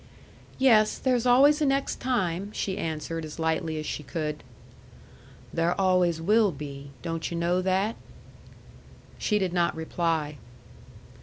"Yes; there's always a next time," she answered, as lightly as she could. "There always will be. Don't yu' know that?" She did not reply.